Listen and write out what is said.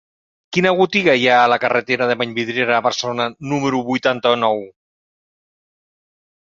Quina botiga hi ha a la carretera de Vallvidrera a Barcelona número vuitanta-nou?